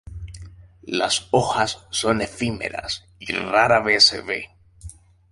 Las hojas son efímeras, y rara vez se ve.